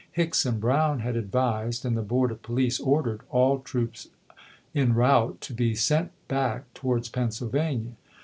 Hicks and Brown had advised, and the Board of Police ordered, all troops en route to be sent back towards Pennsyl vania.